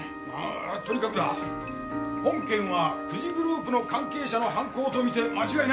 とにかくだ本件は久慈グループの関係者の犯行と見て間違いない。